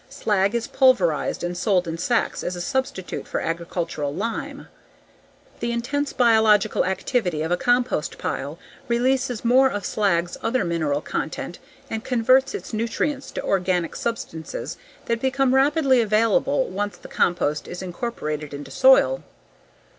Slag is pulverized and sold in sacks as a substitute for agricultural lime. The intense biological activity of a compost pile releases more of slag's other mineral content and converts its nutrients to organic substances that become rapidly available once the compost is incorporated into soil.